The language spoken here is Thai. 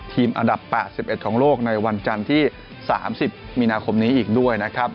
อันดับ๘๑ของโลกในวันจันทร์ที่๓๐มีนาคมนี้อีกด้วยนะครับ